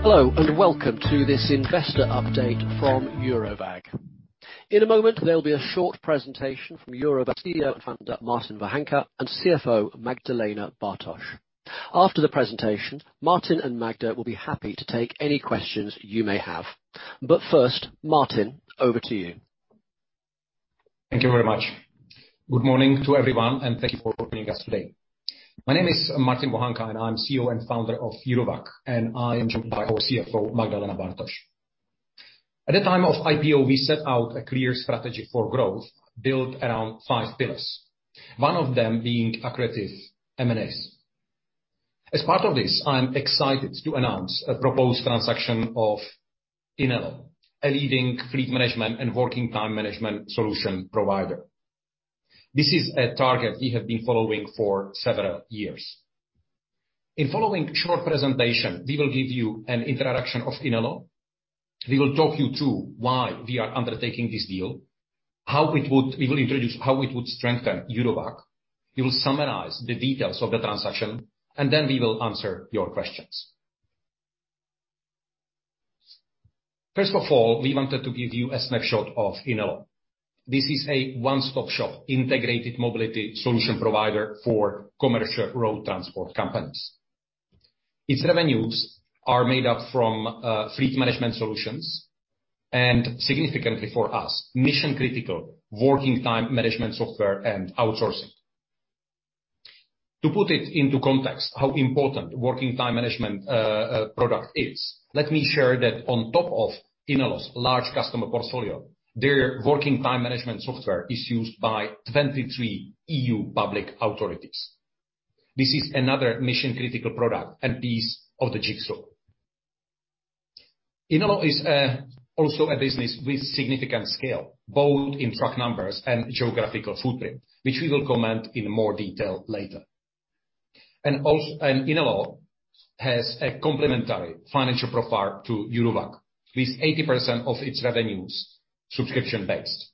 Hello, and welcome to this investor update from Eurowag. In a moment, there'll be a short presentation from Eurowag CEO and founder, Martin Vohánka, and CFO Magdalena Bartoś. After the presentation, Martin and Magda will be happy to take any questions you may have. First, Martin, over to you. Thank you very much. Good morning to everyone, and thank you for joining us today. My name is Martin Vohánka, and I'm CEO and founder of Eurowag, and I'm joined by our CFO, Magdalena Bartoś. At the time of IPO, we set out a clear strategy for growth built around five pillars, one of them being accretive M&As. As part of this, I'm excited to announce a proposed transaction of Inelo, a leading fleet management and working time management solution provider. This is a target we have been following for several years. In the following short presentation, we will give you an introduction of Inelo. We will talk you through why we are undertaking this deal. We will introduce how it would strengthen Eurowag. We will summarize the details of the transaction, and then we will answer your questions. First of all, we wanted to give you a snapshot of Inelo. This is a one-stop shop integrated mobility solution provider for commercial road transport companies. Its revenues are made up from fleet management solutions and, significantly for us, mission-critical working time management software and outsourcing. To put it into context, how important working time management product is, let me share that on top of Inelo's large customer portfolio, their working time management software is used by 23 EU public authorities. This is another mission-critical product and piece of the jigsaw. Inelo is also a business with significant scale, both in truck numbers and geographical footprint, which we will comment on in more detail later. Inelo has a complementary financial profile to Eurowag. With 80% of its revenues subscription-based.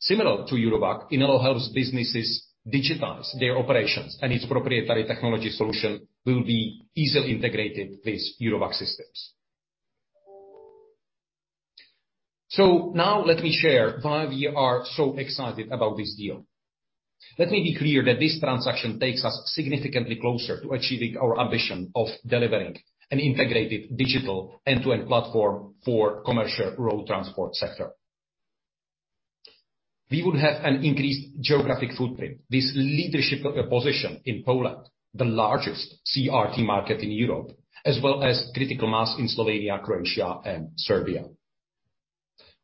Similar to Eurowag, Inelo helps businesses digitize their operations, and its proprietary technology solution will be easily integrated with Eurowag systems. Now let me share why we are so excited about this deal. Let me be clear that this transaction takes us significantly closer to achieving our ambition of delivering an integrated digital end-to-end platform for commercial road transport sector. We would have an increased geographic footprint. This leadership position in Poland, the largest CRT market in Europe, as well as critical mass in Slovenia, Croatia, and Serbia.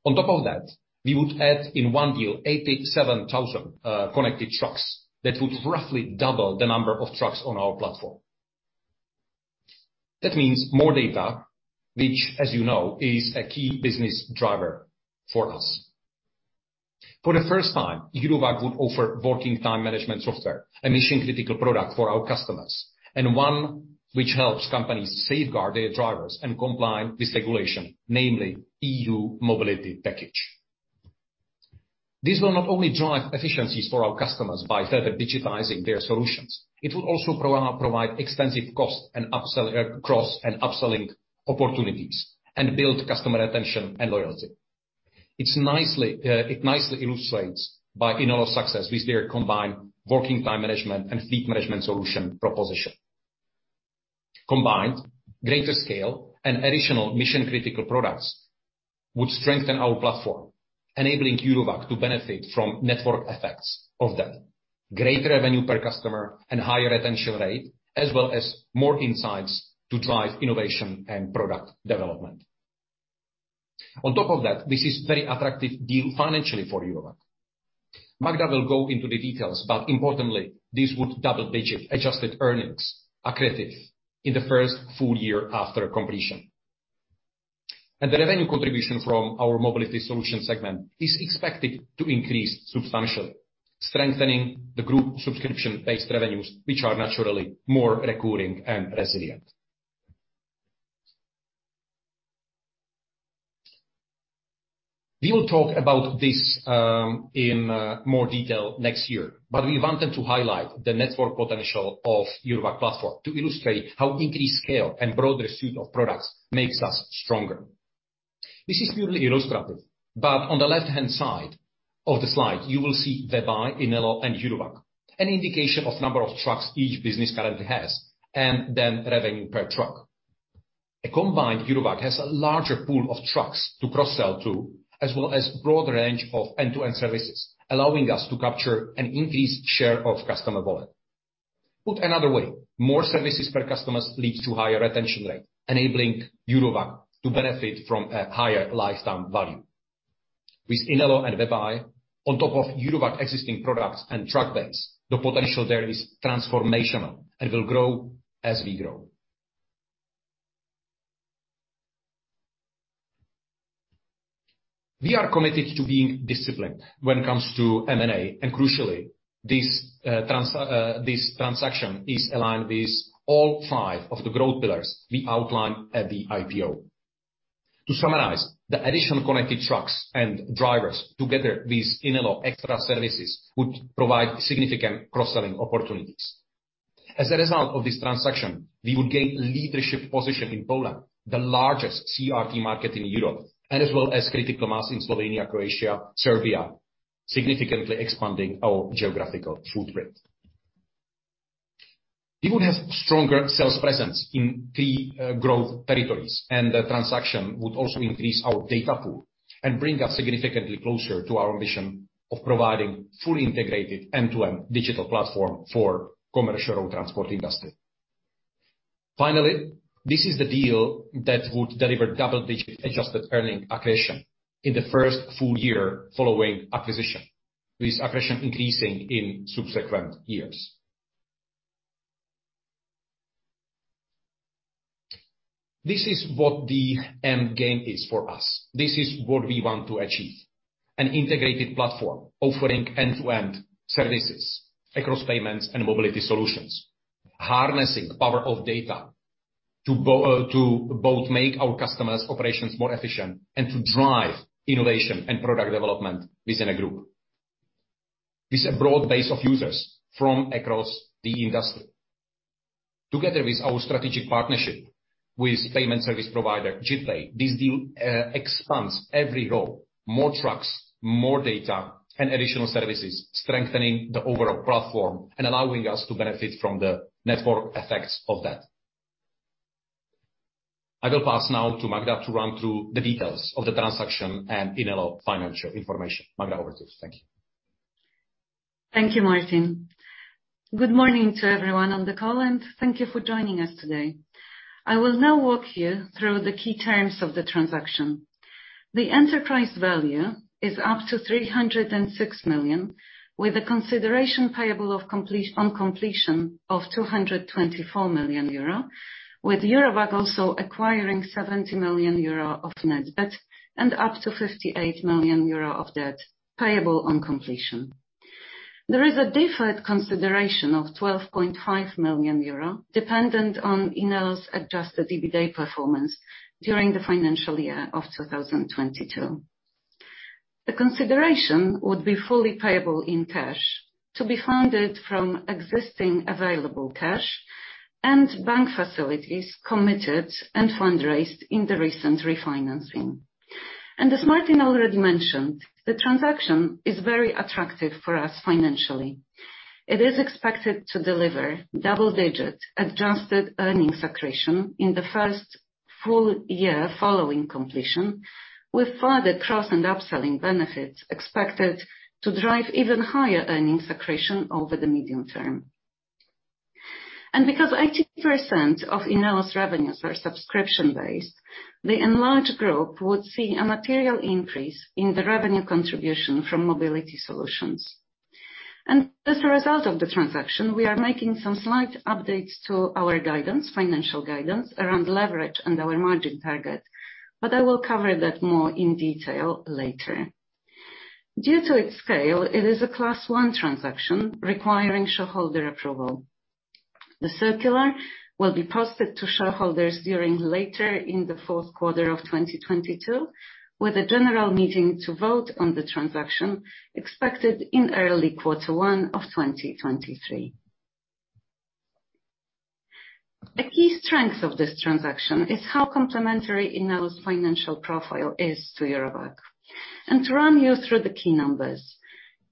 On top of that, we would add, in one deal, 87,000 connected trucks that would roughly double the number of trucks on our platform. That means more data, which, as you know, is a key business driver for us. For the first time, Eurowag would offer working time management software, a mission-critical product for our customers, and one which helps companies safeguard their drivers and comply with regulation, namely EU Mobility Package. This will not only drive efficiencies for our customers by further digitizing their solutions, it will also provide extensive cross- and upselling opportunities and build customer retention and loyalty. It nicely illustrates Inelo's success with their combined working time management and fleet management solution proposition. Combined, greater scale and additional mission-critical products would strengthen our platform, enabling Eurowag to benefit from network effects of them. Greater revenue per customer and higher retention rate, as well as more insights to drive innovation and product development. On top of that, this is very attractive deal financially for Eurowag. Magda will go into the details, but importantly, this would double-digit adjusted earnings-accretive in the first full year after completion. The revenue contribution from our mobility solution segment is expected to increase substantially, strengthening the group subscription-based revenues, which are naturally more recurring and resilient. We will talk about this in more detail next year, but we wanted to highlight the network potential of Eurowag platform to illustrate how increased scale and broader suite of products makes us stronger. This is purely illustrative, but on the left-hand side of the slide, you will see WebEye, Inelo and Eurowag, an indication of number of trucks each business currently has and then revenue per truck. A combined Eurowag has a larger pool of trucks to cross-sell to, as well as broad range of end-to-end services, allowing us to capture an increased share of customer wallet. Put another way, more services per customers leads to higher retention rate, enabling Eurowag to benefit from a higher lifetime value. With Inelo and WebEye on top of Eurowag existing products and truck base, the potential there is transformational and will grow as we grow. We are committed to being disciplined when it comes to M&A, and crucially, this transaction is aligned with all five of the growth pillars we outlined at the IPO. To summarize, the additional connected trucks and drivers together with Inelo extra services would provide significant cross-selling opportunities. As a result of this transaction, we would gain leadership position in Poland, the largest CRT market in Europe, and as well as critical mass in Slovenia, Croatia, Serbia, significantly expanding our geographical footprint. We would have stronger sales presence in key growth territories, and the transaction would also increase our data pool and bring us significantly closer to our ambition of providing fully integrated end-to-end digital platform for commercial transport industry. Finally, this is the deal that would deliver double-digit adjusted earnings accretion in the first full year following acquisition, with accretion increasing in subsequent years. This is what the end game is for us. This is what we want to achieve, an integrated platform offering end-to-end services across payments and mobility solutions, harnessing the power of data to both make our customers' operations more efficient and to drive innovation and product development within a group. This is a broad base of users from across the industry. Together with our strategic partnership with payment service provider, JITpay, this deal expands our role, more trucks, more data and additional services, strengthening the overall platform and allowing us to benefit from the network effects of that. I will pass now to Magda to run through the details of the transaction and Inelo financial information. Magda, over to you. Thank you. Thank you, Martin. Good morning to everyone on the call, and thank you for joining us today. I will now walk you through the key terms of the transaction. The enterprise value is up to 306 million, with a consideration payable on completion of 224 million euro, with Eurowag also acquiring 70 million euro of net debt and up to 58 million euro of debt payable on completion. There is a deferred consideration of 12.5 million euro dependent on Inelo's adjusted EBITDA performance during the financial year of 2022. The consideration would be fully payable in cash to be funded from existing available cash and bank facilities committed and fundraised in the recent refinancing. As Martin already mentioned, the transaction is very attractive for us financially. It is expected to deliver double digits, adjusted earnings accretion in the first full year following completion, with further cross and upselling benefits expected to drive even higher earnings accretion over the medium term. Because 80% of Inelo's revenues are subscription-based, the enlarged group would see a material increase in the revenue contribution from mobility solutions. As a result of the transaction, we are making some slight updates to our guidance, financial guidance around leverage and our margin target, but I will cover that more in detail later. Due to its scale, it is a Class one transaction requiring shareholder approval. The circular will be posted to shareholders during late in the fourth quarter of 2022, with a general meeting to vote on the transaction expected in early quarter one of 2023. A key strength of this transaction is how complementary Inelo's financial profile is to Eurowag. To run you through the key numbers.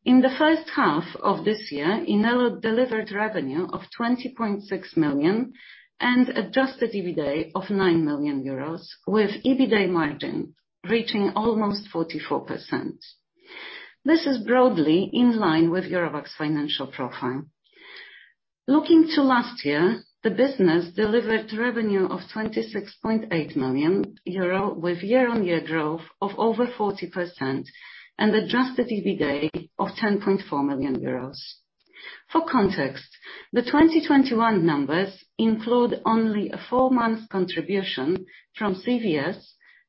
In the first half of this year, Inelo delivered revenue of 20.6 million and adjusted EBITDA of 9 million euros, with EBITDA margin reaching almost 44%. This is broadly in line with Eurowag's financial profile. Looking to last year, the business delivered revenue of 26.8 million euro with year-on-year growth of over 40% and adjusted EBITDA of 10.4 million euros. For context, the 2021 numbers include only a four-month contribution from CVS,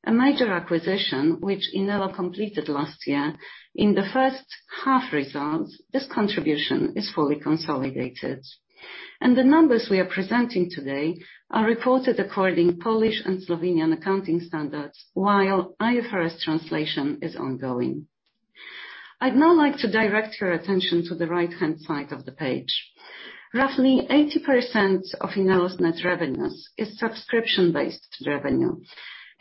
a major acquisition which Inelo completed last year. In the first half results, this contribution is fully consolidated. The numbers we are presenting today are recorded according to Polish and Slovenian accounting standards while IFRS translation is ongoing. I'd now like to direct your attention to the right-hand side of the page. Roughly 80% of Inelo's net revenues is subscription-based revenue.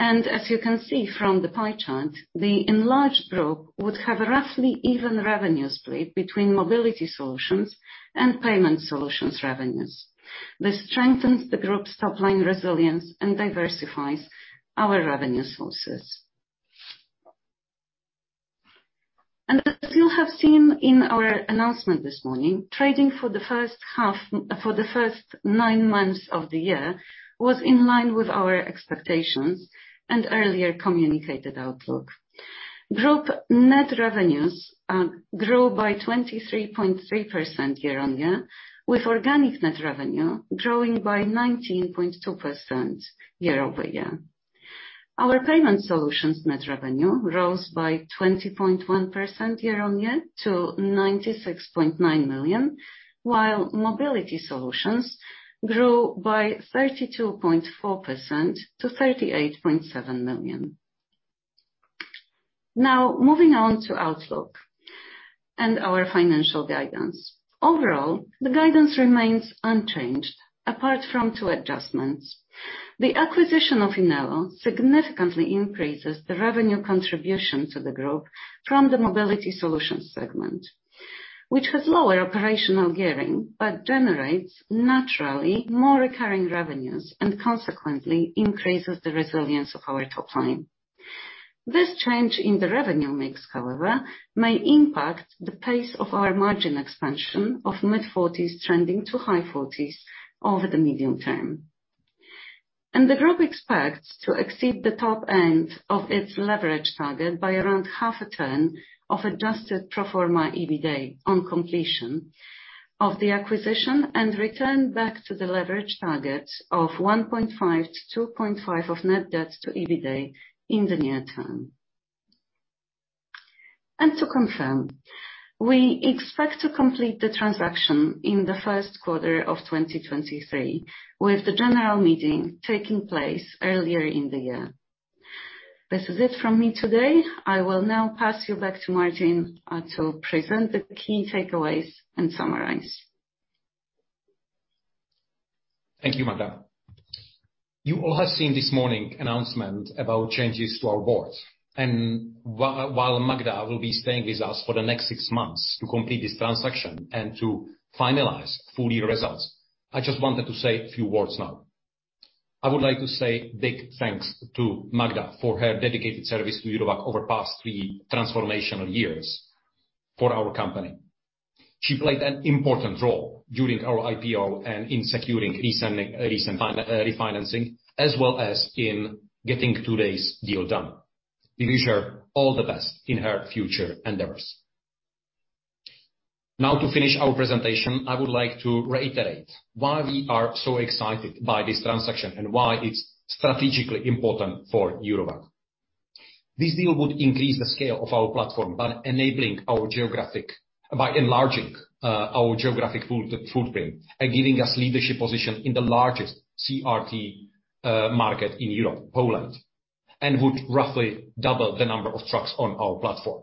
As you can see from the pie chart, the enlarged group would have roughly even revenue split between mobility solutions and payment solutions revenues. This strengthens the group's top-line resilience and diversifies our revenue sources. As you have seen in our announcement this morning, trading for the first nine months of the year was in line with our expectations and earlier communicated outlook. Group net revenues grew by 23.3% year-over-year, with organic net revenue growing by 19.2% year-over-year. Our Payment solutions net revenue rose by 20.1% year-on-year to 96.9 million, while Mobility solutions grew by 32.4% to 38.7 million. Now moving on to outlook and our financial guidance. Overall, the guidance remains unchanged apart from two adjustments. The acquisition of Inelo significantly increases the revenue contribution to the group from the Mobility solutions segment, which has lower operational gearing, but generates naturally more recurring revenues and consequently increases the resilience of our top line. This change in the revenue mix, however, may impact the pace of our margin expansion of mid-40s trending to high 40s over the medium term. The group expects to exceed the top end of its leverage target by around half a turn of adjusted pro forma EBITDA on completion of the acquisition and return back to the leverage target of 1.5-2.5 of net debt to EBITDA in the near term. To confirm, we expect to complete the transaction in the first quarter of 2023, with the general meeting taking place earlier in the year. This is it from me today. I will now pass you back to Martin to present the key takeaways and summarize. Thank you, Magda. You all have seen this morning announcement about changes to our board. While Magda will be staying with us for the next 6 months to complete this transaction and to finalize full year results, I just wanted to say a few words now. I would like to say big thanks to Magda for her dedicated service to Eurowag over past 3 transformational years for our company. She played an important role during our IPO and in securing recent refinancing, as well as in getting today's deal done. We wish her all the best in her future endeavors. Now to finish our presentation, I would like to reiterate why we are so excited by this transaction and why it's strategically important for Eurowag. This deal would increase the scale of our platform by enabling our geographic By enlarging our geographic footprint and giving us leadership position in the largest CRT market in Europe, Poland, and would roughly double the number of trucks on our platform.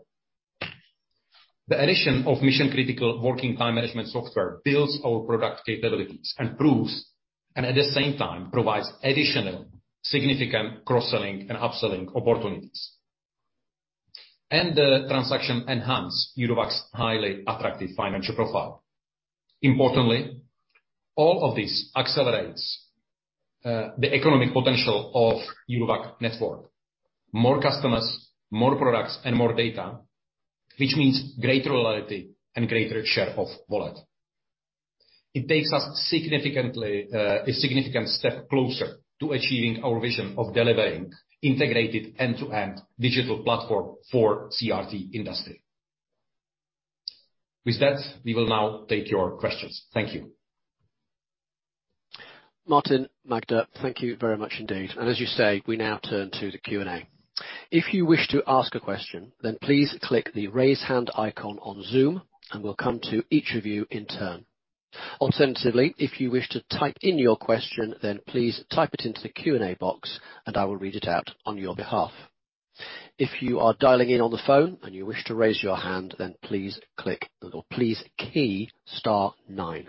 The addition of mission-critical working time management software builds our product capabilities, and at the same time, provides additional significant cross-selling and upselling opportunities. The transaction enhance Eurowag's highly attractive financial profile. Importantly, all of this accelerates the economic potential of Eurowag network. More customers, more products and more data, which means greater loyalty and greater share of wallet. It takes us a significant step closer to achieving our vision of delivering integrated end-to-end digital platform for CRT industry. With that, we will now take your questions. Thank you. Martin, Magda, thank you very much indeed. As you say, we now turn to the Q&A. If you wish to ask a question, then please click the raise hand icon on Zoom, and we'll come to each of you in turn. Alternatively, if you wish to type in your question, then please type it into the Q&A box, and I will read it out on your behalf. If you are dialing in on the phone and you wish to raise your hand, then please click or please key star nine.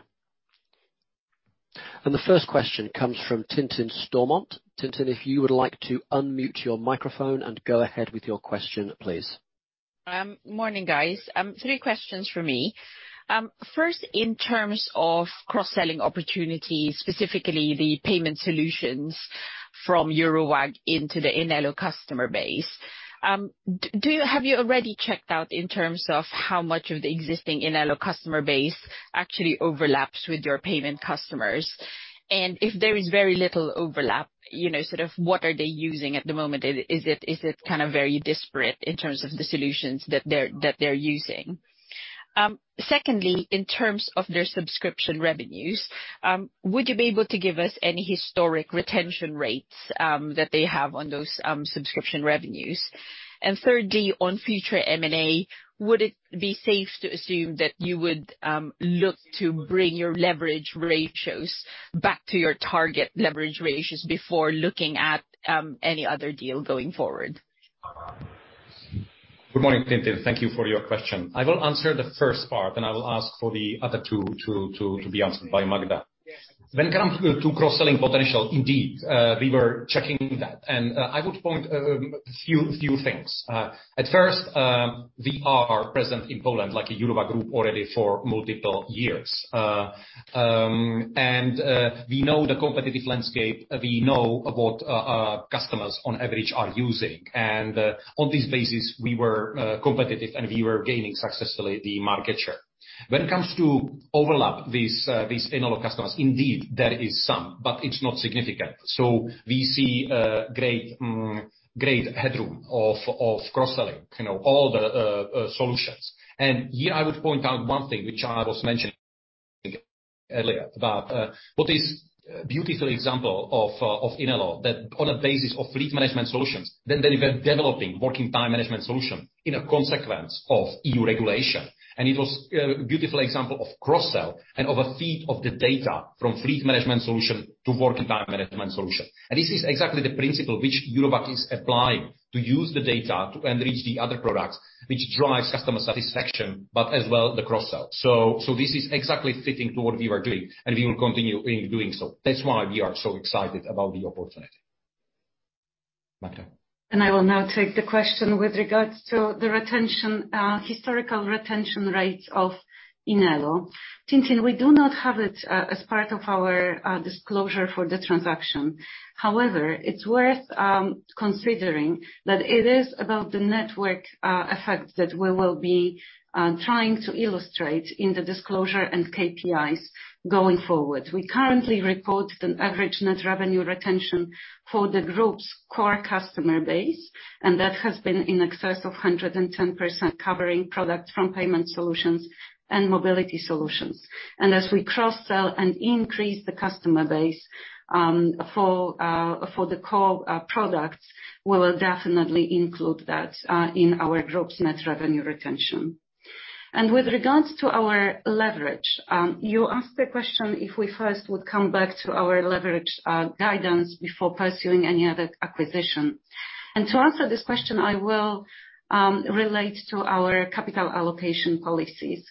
The first question comes from Tintin Stormont. Tintin, if you would like to unmute your microphone and go ahead with your question, please. Morning, guys. Three questions from me. First in terms of cross-selling opportunities, specifically the payment solutions from Eurowag into the Inelo customer base, have you already checked out in terms of how much of the existing Inelo customer base actually overlaps with your payment customers? If there is very little overlap, you know, sort of what are they using at the moment? Is it kind of very disparate in terms of the solutions that they're using? Secondly, in terms of their subscription revenues, would you be able to give us any historic retention rates that they have on those subscription revenues? Thirdly, on future M&A, would it be safe to assume that you would look to bring your leverage ratios back to your target leverage ratios before looking at any other deal going forward? Good morning, Tintin. Thank you for your question. I will answer the first part, and I will ask for the other two to be answered by Magda. When it comes to cross-selling potential, indeed, we were checking that. I would point a few things. At first, we are present in Poland like a Eurowag Group already for multiple years, and we know the competitive landscape, we know what customers on average are using. On this basis, we were competitive, and we were gaining successfully the market share. When it comes to overlap these Inelo customers, indeed there is some, but it's not significant. We see great headroom of cross-selling, you know, all the solutions. Here I would point out one thing, which I was mentioning earlier, but what is a beautiful example of Inelo that on a basis of fleet management solutions, then they were developing working time management solution in a consequence of EU regulation. It was a beautiful example of cross-sell and of a feed of the data from fleet management solution to working time management solution. This is exactly the principle which Eurowag is applying to use the data to then reach the other products which drives customer satisfaction, but as well the cross-sell. So this is exactly fitting to what we are doing, and we will continue in doing so. That's why we are so excited about the opportunity. Magda? I will now take the question with regards to the retention, historical retention rates of Inelo. Tintin Stormont, we do not have it, as part of our disclosure for the transaction. However, it's worth considering that it is about the network effect that we will be trying to illustrate in the disclosure and KPIs going forward. We currently report an average Net Revenue Retention for the group's core customer base, and that has been in excess of 110%, covering products from Payment solutions and Mobility solutions. As we cross-sell and increase the customer base, for the core products, we will definitely include that in our group's Net Revenue Retention. With regards to our leverage, you asked the question if we first would come back to our leverage guidance before pursuing any other acquisition. To answer this question, I will relate to our capital allocation policies.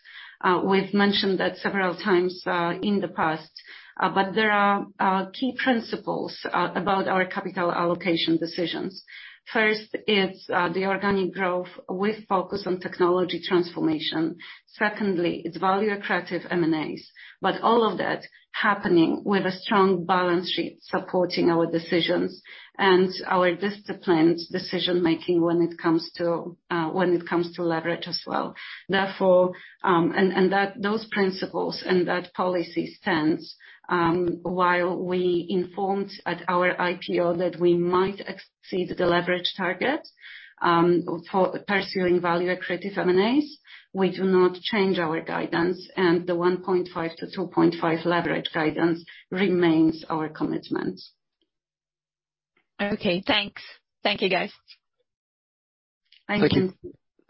We've mentioned that several times in the past, but there are key principles about our capital allocation decisions. First, it's the organic growth with focus on technology transformation. Secondly, it's value-accretive M&As, but all of that happening with a strong balance sheet supporting our decisions and our disciplined decision-making when it comes to leverage as well. Therefore, those principles and that policy stands while we informed at our IPO that we might exceed the leverage target for pursuing value-accretive M&As. We do not change our guidance, and the 1.5-2.5 leverage guidance remains our commitment. Okay, thanks. Thank you, guys. Thank you.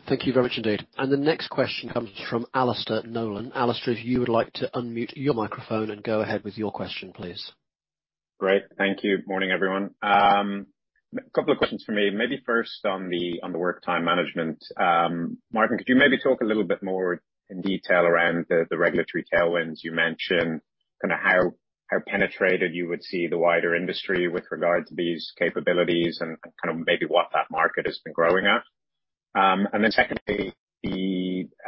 Thank you. Thank you very much indeed. The next question comes from Alistair Nolan. Alistair, if you would like to unmute your microphone and go ahead with your question, please. Great. Thank you. Morning, everyone. A couple of questions from me. Maybe first on the work time management. Martin, could you maybe talk a little bit more in detail around the regulatory tailwinds you mentioned, kinda how penetrated you would see the wider industry with regard to these capabilities and kind of maybe what that market has been growing at. And then secondly,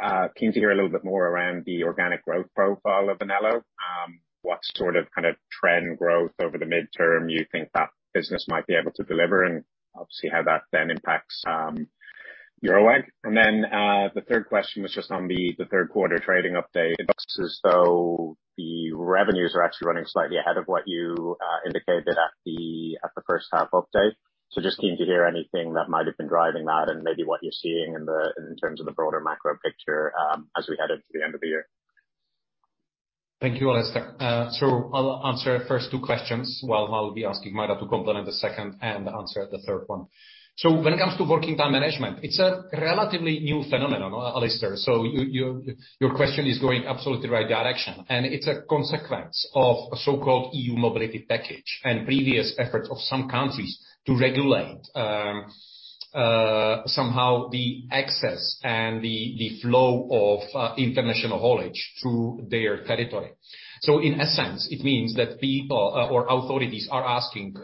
I'm keen to hear a little bit more around the organic growth profile of Inelo. What sort of kind of trend growth over the midterm you think that business might be able to deliver, and obviously how that then impacts Eurowag. Then, the third question was just on the third quarter trading update. It looks as though the revenues are actually running slightly ahead of what you indicated at the first half update. Just keen to hear anything that might have been driving that and maybe what you're seeing in terms of the broader macro picture, as we head into the end of the year. Thank you, Alistair. I'll answer first two questions while I'll be asking Magda to complement the second and answer the third one. When it comes to working time management, it's a relatively new phenomenon, Alistair, your question is going absolutely the right direction, and it's a consequence of a so-called EU Mobility Package and previous efforts of some countries to regulate somehow the access and the flow of international haulage through their territory. In essence, it means that people or authorities are asking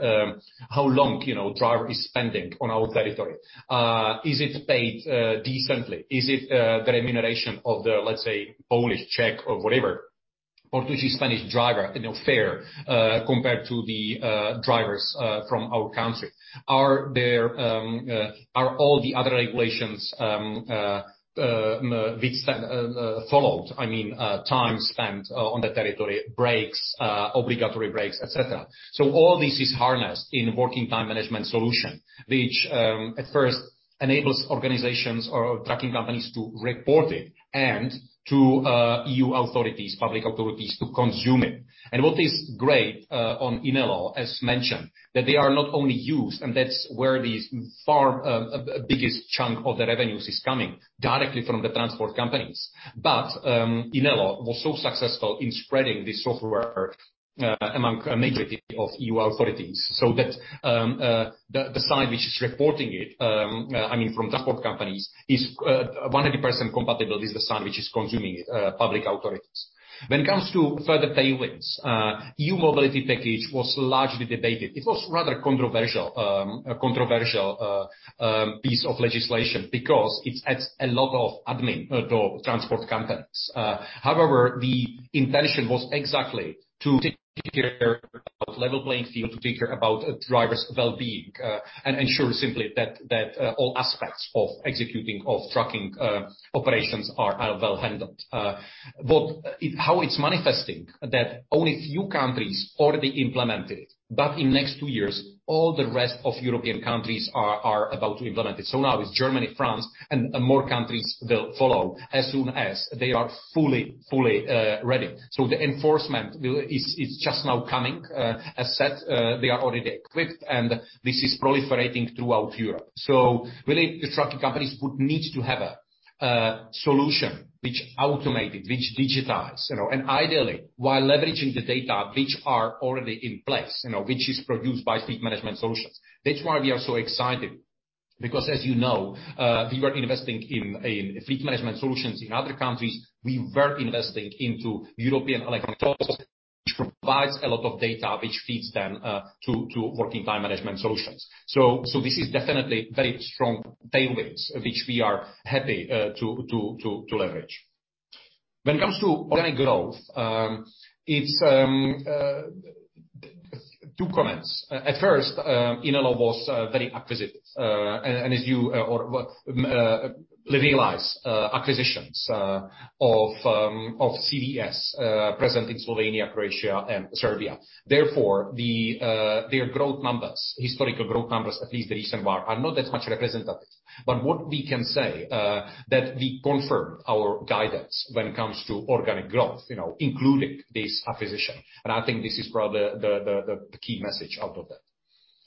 how long, you know, driver is spending on our territory. Is it paid decently? Is it the remuneration of the, let's say, Polish, Czech or whatever, or actually Spanish driver, you know, fair compared to the drivers from our country? Are all the other regulations followed? I mean, time spent on the territory, breaks, obligatory breaks, et cetera. All this is harnessed in working time management solution, which at first enables organizations or trucking companies to report it and to EU authorities, public authorities to consume it. What is great on Inelo, as mentioned, that they are not only used, and that's where thus far biggest chunk of the revenues is coming, directly from the transport companies. Inelo was so successful in spreading this software among a majority of EU authorities, so that the side which is reporting it, I mean from transport companies, is 100% compatible with the side which is consuming it, public authorities. When it comes to further tailwinds, EU Mobility Package was largely debated. It was rather controversial, a controversial piece of legislation because it adds a lot of admin to transport companies. However, the intention was exactly to take care of level playing field, to take care about drivers' well-being, and ensure simply that all aspects of executing of trucking operations are well handled. How it's manifesting that only few countries already implemented it, but in next two years, all the rest of European countries are about to implement it. Now it's Germany, France, and more countries will follow as soon as they are fully ready. The enforcement is just now coming. As said, they are already equipped, and this is proliferating throughout Europe. Really, the trucking companies would need to have a solution which automated, which digitized, you know, and ideally while leveraging the data which are already in place, you know, which is produced by fleet management solutions. That's why we are so excited because as you know, we were investing in fleet management solutions in other countries. We were investing into European electronic tolling, which provides a lot of data which feeds them to working time management solutions. This is definitely very strong tailwinds which we are happy to leverage. When it comes to organic growth, it's two comments. At first, Inelo was very acquisitive. Levelize acquisitions of CVS present in Slovenia, Croatia and Serbia. Therefore, their growth numbers, historical growth numbers, at least the recent one, are not as much representative. What we can say, that we confirm our guidance when it comes to organic growth, you know, including this acquisition. I think this is probably the key message out of that.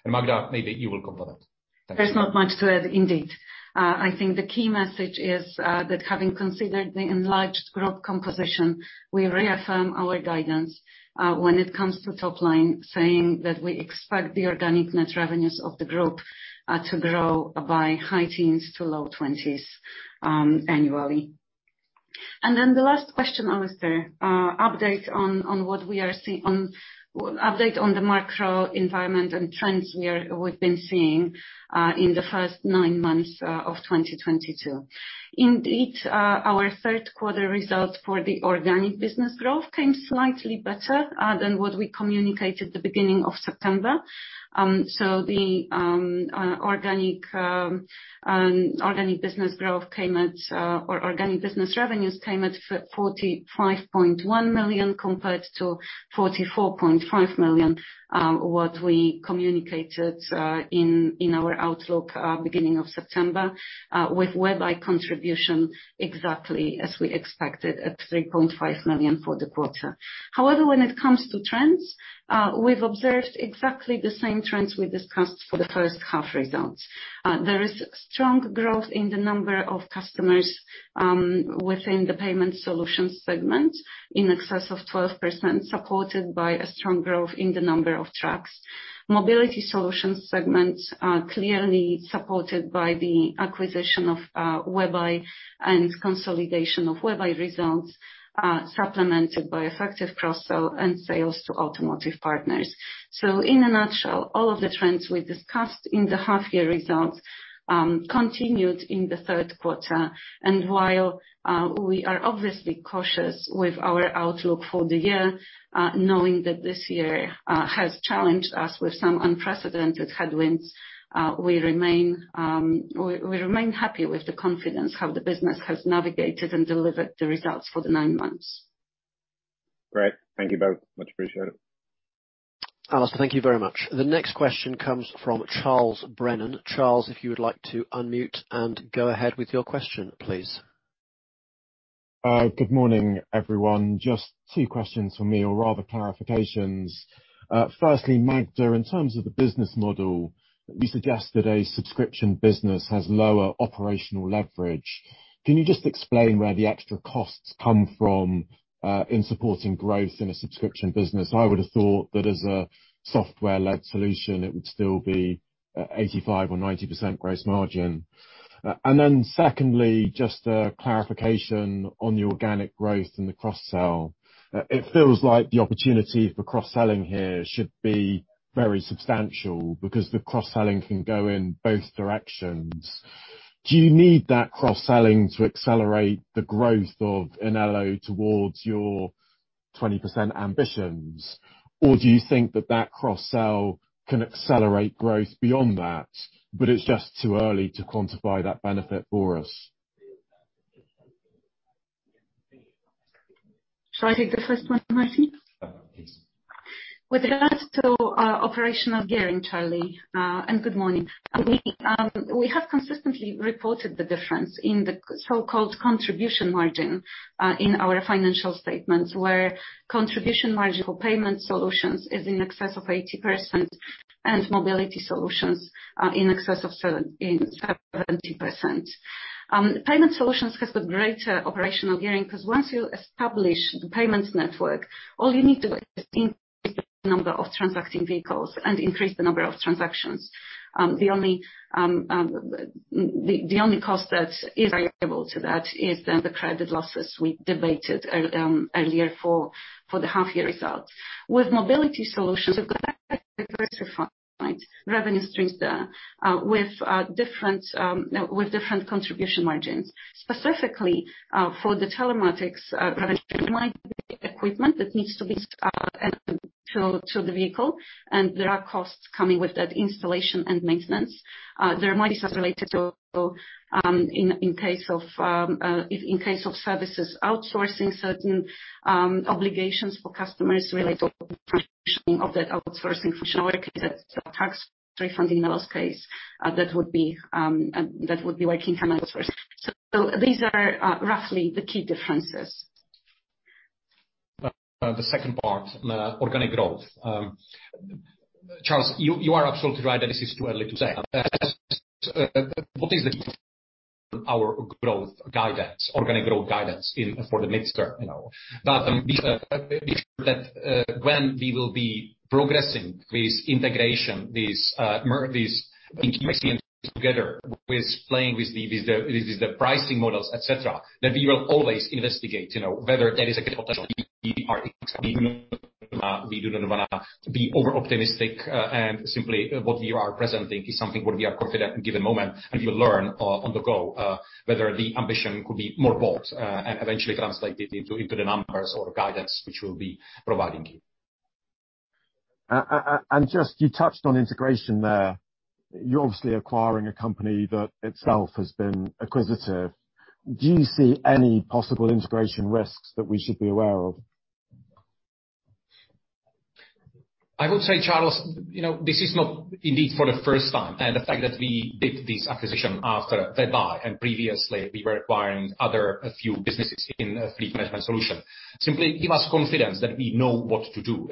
Magda, maybe you will complement. Thank you. There's not much to add indeed. I think the key message is that having considered the enlarged group composition, we reaffirm our guidance when it comes to top line, saying that we expect the organic net revenues of the group to grow by high-teens% to low-20s% annually. Then the last question, Alistair, update on the macro environment and trends we've been seeing in the first nine months of 2022. Indeed, our third quarter results for the organic business growth came slightly better than what we communicated the beginning of September. Organic business revenues came at 45.1 million compared to 44.5 million, what we communicated in our outlook beginning of September, with WebEye contribution exactly as we expected at 3.5 million for the quarter. However, when it comes to trends, we've observed exactly the same trends we discussed for the first half results. There is strong growth in the number of customers within the payment solutions segment in excess of 12%, supported by a strong growth in the number of trucks. Mobility solutions segments are clearly supported by the acquisition of WebEye and consolidation of WebEye results, supplemented by effective cross-sell and sales to automotive partners. In a nutshell, all of the trends we discussed in the half year results continued in the third quarter. While we are obviously cautious with our outlook for the year, knowing that this year has challenged us with some unprecedented headwinds, we remain happy with the confidence how the business has navigated and delivered the results for the nine months. Great. Thank you both. Much appreciated. Alistair, thank you very much. The next question comes from Charles Brennan. Charles, if you would like to unmute and go ahead with your question, please. Good morning, everyone. Just two questions from me, or rather clarifications. Firstly, Magda, in terms of the business model, you suggest that a subscription business has lower operational leverage. Can you just explain where the extra costs come from in supporting growth in a subscription business? I would have thought that as a software-led solution it would still be an 85% or 90% gross margin. And then secondly, just a clarification on the organic growth and the cross-sell. It feels like the opportunity for cross-selling here should be very substantial because the cross-selling can go in both directions. Do you need that cross-selling to accelerate the growth of Inelo towards your 20% ambitions? Or do you think that that cross-sell can accelerate growth beyond that, but it's just too early to quantify that benefit for us? Shall I take the first one, Martin? Please. With regards to our operational gearing, Charles. Good morning. We have consistently reported the difference in the so-called contribution margin in our financial statements, where contribution margin for Payment solutions is in excess of 80% and mobility solutions are in excess of 70%. Payment solutions has the greater operational gearing, 'cause once you establish the payment network, all you need to increase the number of transacting vehicles and increase the number of transactions. The only cost that is variable to that is then the credit losses we debated earlier for the half year results. With mobility solutions, you've got revenue streams there with different contribution margins. Specifically, for the telematics revenue equipment that needs to be installed to the vehicle, and there are costs coming with that installation and maintenance. There are monies related to in case of services outsourcing certain obligations for customers related to that outsourcing function or tax refunding loss case, that would be working. These are roughly the key differences. The second part, organic growth. Charles, you are absolutely right that this is too early to say. What is our growth guidance, organic growth guidance in for the mid-term, you know? Be sure that when we will be progressing this integration, merging these together with playing with the pricing models, et cetera, that we will always investigate, you know, whether there is a potential. We do not wanna be over-optimistic, and simply what we are presenting is something what we are confident at the given moment, and we learn on the go whether the ambition could be more bold, and eventually translate it into the numbers or guidance which we'll be providing you. Just, you touched on integration there. You're obviously acquiring a company that itself has been acquisitive. Do you see any possible integration risks that we should be aware of? I would say, Charles, you know, this is not indeed for the first time. The fact that we did this acquisition after Fair Buy and previously we were acquiring other few businesses in fleet management solution simply give us confidence that we know what to do,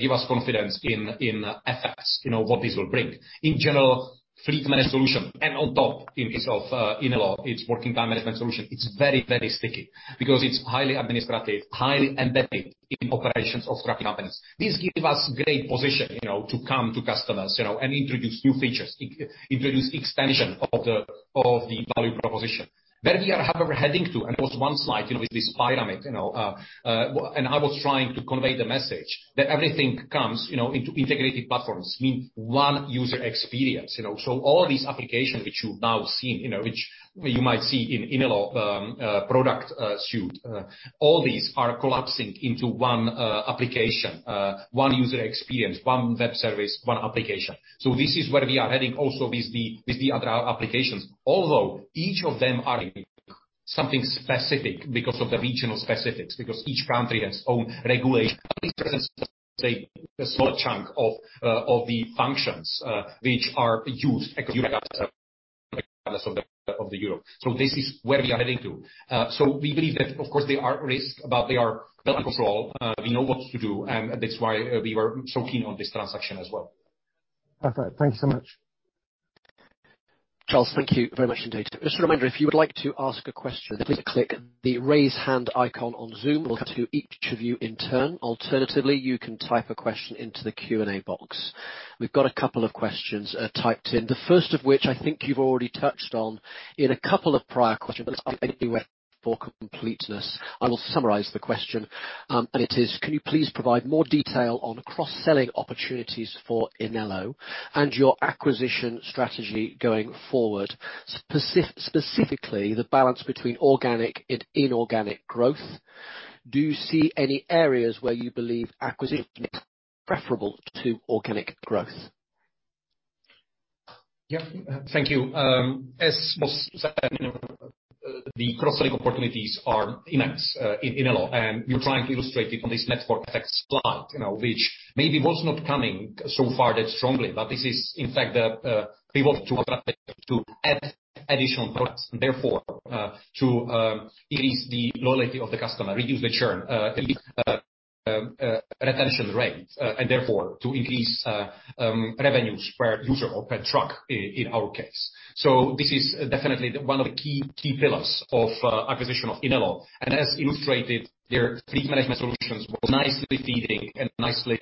give us confidence in effect, you know, what this will bring. In general, fleet management solution and on top in case of Inelo, its working time management solution, it's very, very sticky because it's highly administrative, highly embedded in operations of trucking companies. This give us great position, you know, to come to customers, you know, and introduce new features, introduce extension of the value proposition. Where we are however heading to, and it was one slide, you know, with this pyramid, you know, and I was trying to convey the message that everything comes, you know, into integrated platforms, meaning one user experience, you know. All of these applications which you've now seen, you know, which you might see in Inelo product suite, all these are collapsing into one application, one user experience, one web service, one application. This is where we are heading also with the other applications. Although each of them are something specific because of the regional specifics, because each country has own regulation. A small chunk of the functions which are used across Europe. This is where we are heading to. We believe that of course there are risks, but they are well controlled. We know what to do, and that's why we were so keen on this transaction as well. Perfect. Thank you so much. Charles, thank you very much indeed. Just a reminder, if you would like to ask a question, please click the Raise Hand icon on Zoom. We'll get to each of you in turn. Alternatively, you can type a question into the Q&A box. We've got a couple of questions typed in. The first of which I think you've already touched on in a couple of prior questions. Anyway, for completeness, I will summarize the question. It is, can you please provide more detail on cross-selling opportunities for Inelo and your acquisition strategy going forward, specifically the balance between organic and inorganic growth? Do you see any areas where you believe acquisition is preferable to organic growth? Yeah. Thank you. As was said, you know, the cross-selling opportunities are immense in Inelo, and we're trying to illustrate it on this network effect slide, you know, which maybe was not coming so far that strongly, but this is in fact the pivot to add additional products, therefore to increase the loyalty of the customer, reduce the churn, increase retention rates, and therefore to increase revenues per user or per truck in our case. This is definitely one of the key pillars of acquisition of Inelo. As illustrated, their fleet management solutions was nicely feeding and nicely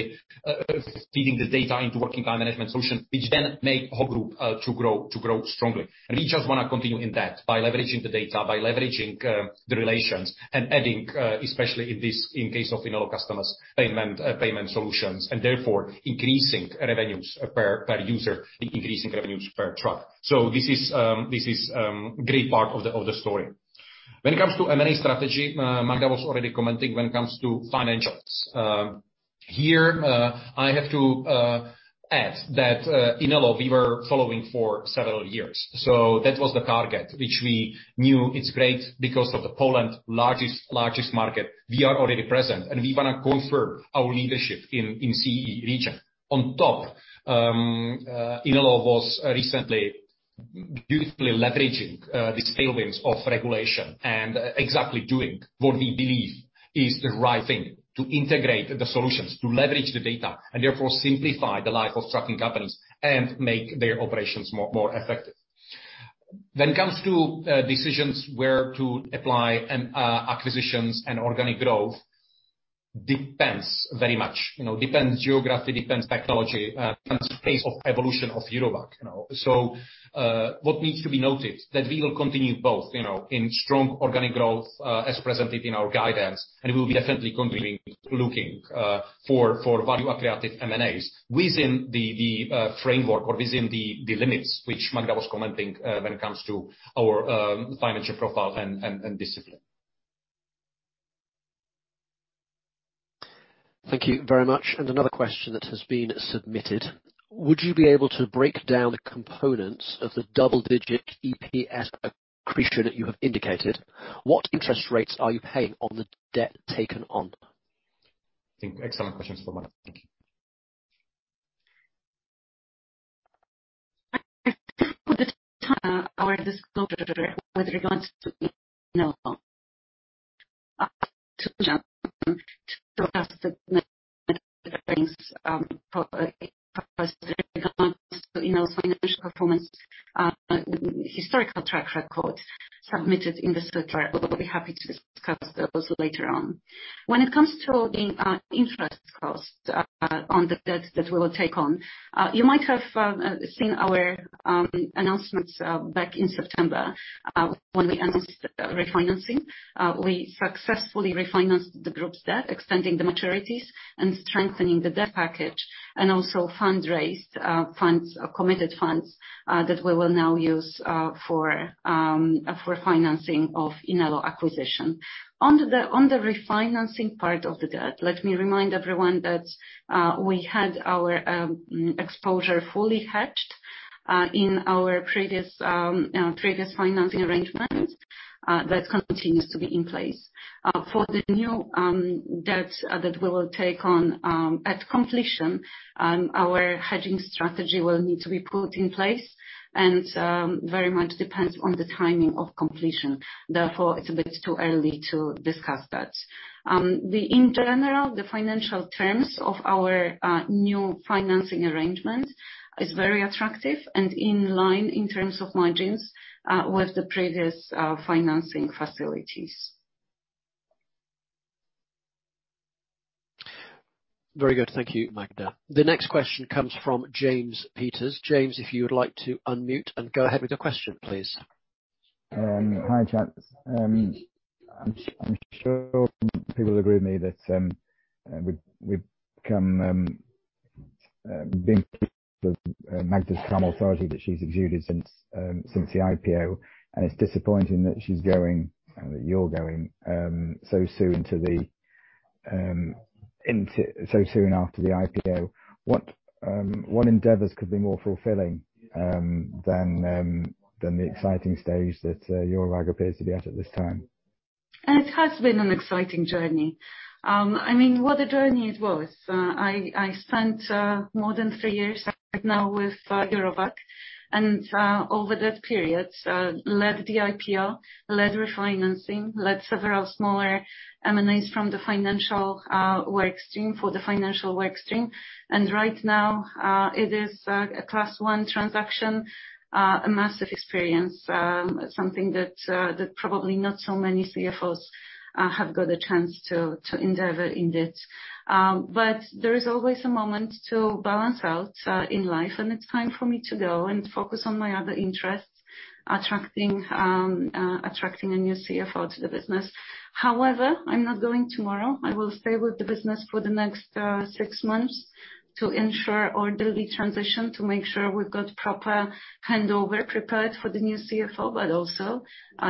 feeding the data into working time management solution, which then make whole group to grow strongly. We just wanna continue in that by leveraging the data, by leveraging the relations and adding especially in this case of Inelo customers, payment solutions, and therefore increasing revenues per user, increasing revenues per truck. This is great part of the story. When it comes to M&A strategy, Magda was already commenting when it comes to financials. Here, I have to add that Inelo, we were following for several years. That was the target, which we knew it's great because of Poland's largest market. We are already present, and we wanna confirm our leadership in CEE region. On top, Inelo was recently beautifully leveraging the tailwinds of regulation and exactly doing what we believe is the right thing to integrate the solutions, to leverage the data, and therefore simplify the life of trucking companies and make their operations more effective. When it comes to decisions where to apply and acquisitions and organic growth, it depends very much, you know, on geography, on technology, on the pace of evolution of Eurowag, you know. What needs to be noted is that we will continue both, you know, in strong organic growth as presented in our guidance, and we will be definitely continuing to look for value-accretive M&As within the framework or within the limits which Magda was commenting on when it comes to our financial profile and discipline. Thank you very much. Another question that has been submitted. Would you be able to break down the components of the double-digit EPS accretion that you have indicated? What interest rates are you paying on the debt taken on? I think excellent questions from Adam. Thank you. With our disclosure with regards to financial performance, historical track record submitted in the circular. We'll be happy to discuss those later on. When it comes to the interest cost on the debt that we will take on, you might have seen our announcements back in September when we announced refinancing. We successfully refinanced the group's debt, extending the maturities and strengthening the debt package and also funds raised, committed funds that we will now use for financing of Inelo acquisition. On the refinancing part of the debt, let me remind everyone that we had our exposure fully hedged in our previous financing arrangement that continues to be in place. For the new debt that we will take on at completion, our hedging strategy will need to be put in place and very much depends on the timing of completion. Therefore, it's a bit too early to discuss that. In general, the financial terms of our new financing arrangement is very attractive and in line in terms of margins with the previous financing facilities. Very good. Thank you, Magda. The next question comes from James Peters. James, if you would like to unmute and go ahead with your question, please. Hi, gents. I'm sure people agree with me that we've come to appreciate Magdalena's calm authority that she's exuded since the IPO, and it's disappointing that you're going so soon after the IPO. What endeavors could be more fulfilling than the exciting stage that Eurowag appears to be at this time? It has been an exciting journey. I mean, what a journey it was. I spent more than three years now with Eurowag, and over that period led the IPO, led refinancing, led several smaller M&As from the financial work stream. Right now, it is a Class one transaction, a massive experience, something that probably not so many CFOs have got a chance to endeavor in it. There is always a moment to balance out in life, and it's time for me to go and focus on my other interests, attracting a new CFO to the business. However, I'm not going tomorrow. I will stay with the business for the next six months to ensure orderly transition, to make sure we've got proper handover prepared for the new CFO, but also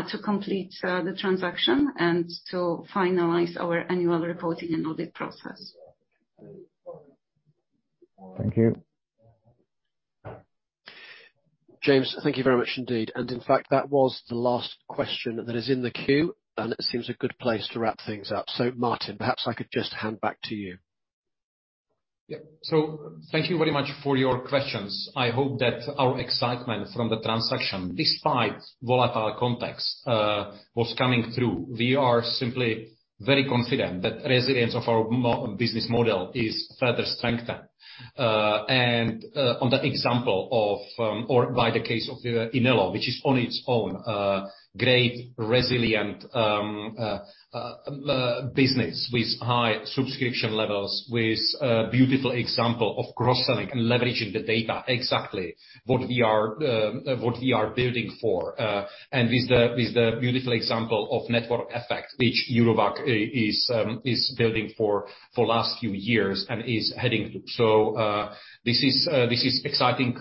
to complete the transaction and to finalize our annual reporting and audit process. Thank you. James, thank you very much indeed. In fact, that was the last question that is in the queue, and it seems a good place to wrap things up. Martin, perhaps I could just hand back to you. Yeah. Thank you very much for your questions. I hope that our excitement from the transaction, despite volatile context, was coming through. We are simply very confident that resilience of our business model is further strengthened. On the example of, or by the case of the Inelo, which is on its own, a great resilient business with high subscription levels, with a beautiful example of cross-selling and leveraging the data, exactly what we are building for, and with the beautiful example of network effect, which Eurowag is building for last few years and is heading to. This is exciting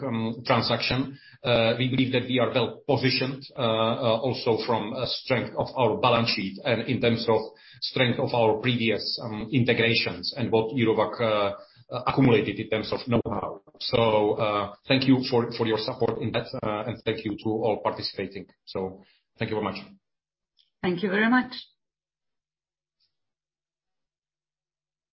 transaction. We believe that we are well-positioned, also from strength of our balance sheet and in terms of strength of our previous integrations and what Eurowag accumulated in terms of know-how. Thank you for your support in that, and thank you to all participating. Thank you very much. Thank you very much.